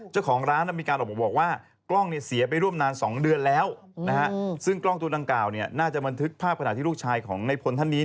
จึงถูกมื้อมือสั่งถอดออกไปเพื่อทำลายศักดิ์ฐาน